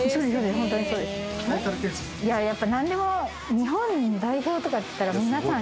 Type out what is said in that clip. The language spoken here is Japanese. ホントにそうですやっぱ何でも日本代表とかっていったら皆さん